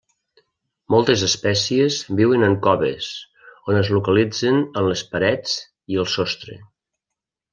Moltes espècies viuen en coves, on es localitzen en les parets i el sostre.